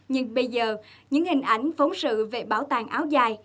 nhưng bây giờ những hình ảnh phóng sự về bảo tàng áo dài